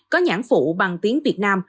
có nhãn phụ bằng tiếng việt nam